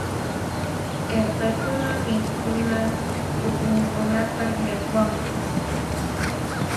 Irqikuna mikhuna p'ukunkuta llaqwanku.